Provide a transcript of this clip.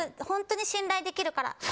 本当に信頼できるから。